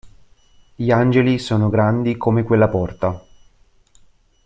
Gli angeli sono grandi come quella porta.